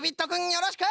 よろしく！